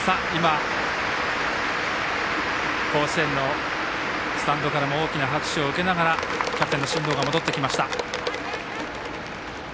甲子園のスタンドからも大きな拍手を受けながらキャプテンの進藤が戻ってきました。